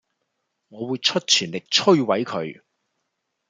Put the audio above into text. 我會出全力摧毀佢